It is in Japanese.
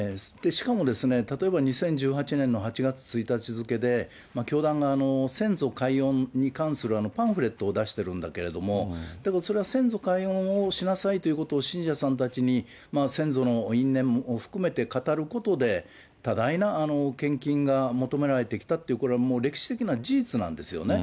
しかもですね、例えば、２０１８年の８月１日付で、教団側が先祖かいおんに関するパンフレットを出してるんだけれども、でもそれは先祖解怨をしなさいという、信者さんたちに、先祖の因縁を含めて語ることで、多大な献金が求められてきたという、これはもう歴史的な事実なんですよね。